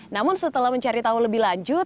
namun setelah mencari tahu lebih lanjut